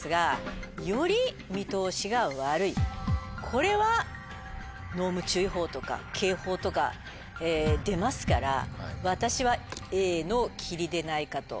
これは。とか警報とか出ますから私はＡの霧でないかと。